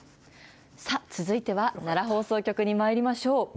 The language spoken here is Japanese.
さあ、続いては奈良放送局にまいりましょう。